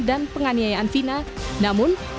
dan penganiayaan vina namun